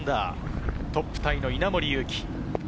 トップタイの稲森佑貴。